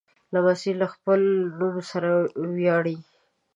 لمسی له خپل نوم سره ویاړي.